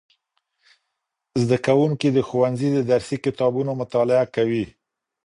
زدهکوونکي د ښوونځي د درسي کتابونو مطالعه کوي.